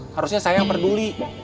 harusnya saya yang peduli